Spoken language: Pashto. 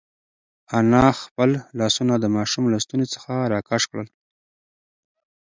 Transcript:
انا خپل لاسونه د ماشوم له ستوني څخه راکش کړل.